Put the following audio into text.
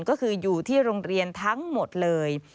ก็คืออยู่ที่โรงเรียนทั้งหมดเลย